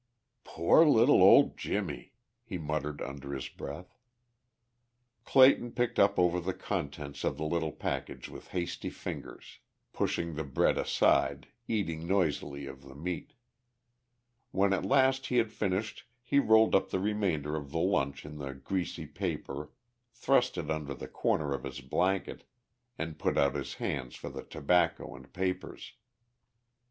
"Poor little old Jimmie," he muttered under his breath. Clayton picked over the contents of the little package with hasty fingers, pushing the bread aside, eating noisily of the meat. When at last he had finished he rolled up the remainder of the lunch in the greasy paper, thrust it under the corner of his blanket, and put out his hands for the tobacco and papers.